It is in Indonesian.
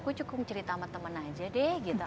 aku cukup cerita sama temen aja deh gitu